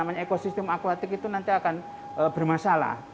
akuatik ya ekosistem akuatik itu nanti akan bermasalah